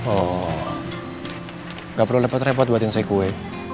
oh gak perlu lepet lepet buatin saya kue